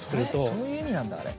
そういう意味なんだあれ。